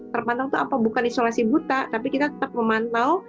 terpantau itu apa bukan isolasi buta tapi kita tetap memantau